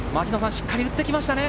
しっかり打ってきましたね。